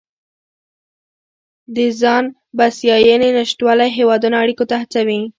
د ځان بسیاینې نشتوالی هیوادونه اړیکو ته هڅوي